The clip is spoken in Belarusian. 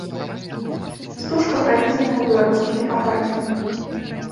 Стужка пранізаная беларускімі афарызмамі.